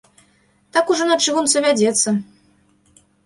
Так ужо на чыгунцы вядзецца.